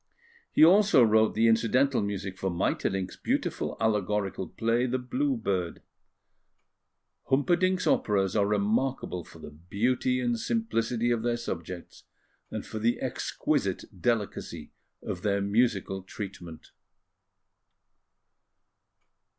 He also wrote the incidental music for Maeterlinck's beautiful allegorical play, The Blue Bird. Humperdinck's operas are remarkable for the beauty and simplicity of their subjects, and for the exquisite delicacy of their musical treatment.